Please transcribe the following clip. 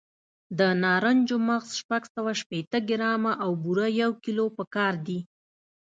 د نارنجو مغز شپږ سوه شپېته ګرامه او بوره یو کیلو پکار دي.